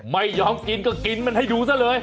ไม่ยอมกินก็กินมันให้ดูซะเลย